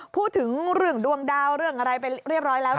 พูดถึงเรื่องดวงดาวเรื่องอะไรไปเรียบร้อยแล้ว